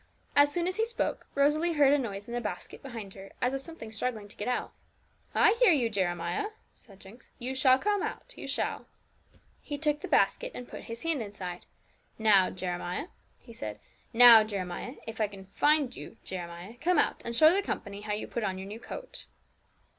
As soon as he spoke, Rosalie heard a noise in a basket behind her as of something struggling to get out. 'I hear you, Jeremiah,' said Jinx; 'you shall come, you shall.' He took the basket, and put his hand inside. 'Now, Jeremiah,' he said 'now, Jeremiah, if I can find you, Jeremiah, come out, and show the company how you put on your new coat.'